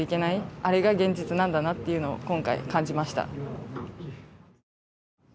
あれが現実なんだなっていうのを今回感じました。